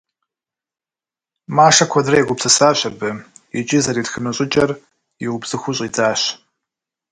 Машэ куэдрэ егупсысащ абы икӏи зэритхыну щӏыкӏэр иубзыхуу щӏидзащ.